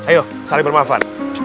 ayo salih bermanfaat